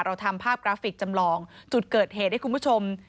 ทำภาพกราฟิกจำลองจุดเกิดเหตุให้คุณผู้ชม